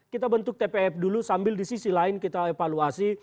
kita bentuk tpf dulu sambil di sisi lain kita evaluasi